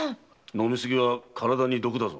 飲み過ぎは体に毒だぞ。